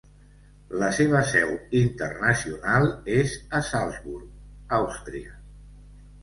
La seva seu internacional és a Salzburg, Àustria.